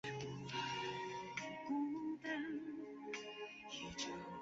他出生在一个犹太教改革派家庭。